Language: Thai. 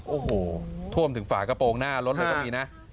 โอ้โหท่วมถึงฝากระโปรงหน้ารถเลยก็มีนะ